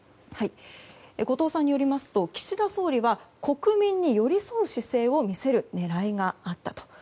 後藤さんによりますと岸田総理は国民に寄り添う姿勢を見せる狙いがあったと。